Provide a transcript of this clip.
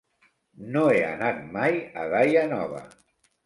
No he anat mai a Daia Nova.